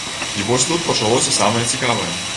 І вось тут пачалося самае цікавае.